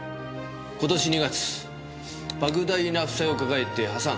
今年２月莫大な負債を抱えて破産。